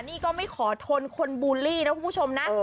นี่ก็ไม่ขอทนคนบูลลี่นะคุณผู้ชมนะ